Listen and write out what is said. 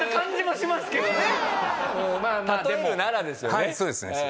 はいそうですね。